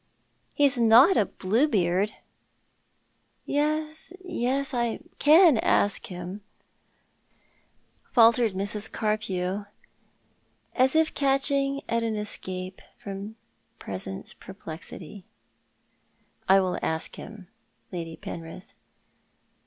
He's not a Bluebeard." " Yes, yes, I can ask him," faltered Mrs. Carpew, as if catch ing at an escape from present perplexity. "I will ask him, Lady Penrith.